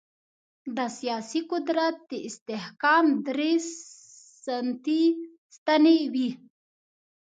د سیاسي قدرت د استحکام درې سنتي ستنې وې.